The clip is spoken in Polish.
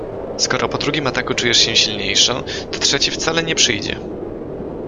Skoro po drugim ataku czujesz się silniejszą, to trzeci wcale nie przyjdzie.